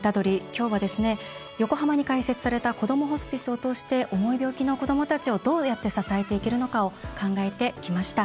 きょうは、横浜に開設されたこどもホスピスを通して重い病気の子どもたちをどうやって支えていけるのかを考えてきました。